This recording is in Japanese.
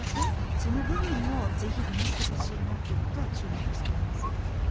その部分もぜひ話してほしいなということは注目しています。